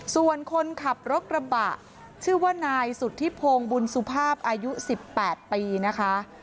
ส่วนคนขับรถกระบะชื่อว่านายสุธิพงศ์บุญสุภาพอายุ๑๘ปีนะคะ